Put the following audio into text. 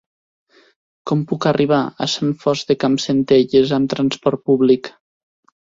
Com puc arribar a Sant Fost de Campsentelles amb trasport públic?